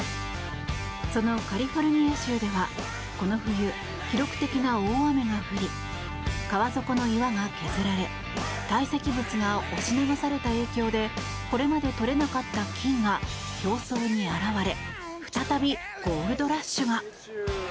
そのカリフォルニア州ではこの冬、記録的な大雨が降り川底の岩が削られ堆積物が押し流された影響でこれまで採れなかった金が表層に現れ再びゴールドラッシュが。